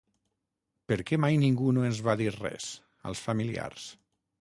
¿Per què mai ningú no ens en va dir res, als familiars?